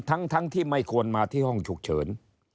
ทั้งที่ไม่ควรมาที่ห้องฉุกเฉิน